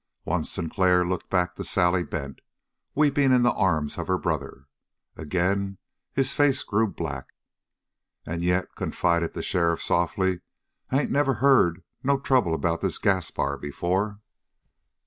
Once Sinclair looked back to Sally Bent, weeping in the arms of her brother. Again his face grew black. "And yet," confided the sheriff softly, "I ain't never heard no trouble about this Gaspar before."